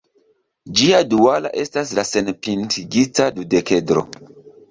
Ĝia duala estas la senpintigita dudekedro.